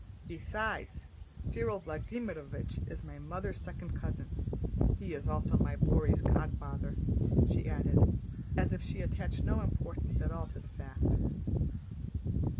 Besides, Cyril Vladímirovich is my mother's second cousin. He's also my Bóry's godfather," she added, as if she attached no importance at all to the fact.